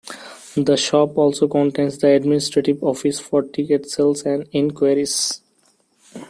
The shop also contains the administrative office for ticket sales and enquiries.